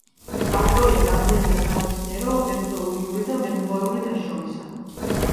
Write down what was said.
ავტორია რამდენიმე სამეცნიერო, მეთოდოლოგიური და მემუარული ნაშრომისა.